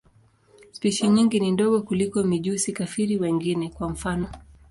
Spishi nyingi ni ndogo kuliko mijusi-kafiri wengine, kwa mfano.